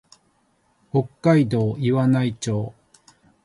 北海道岩内町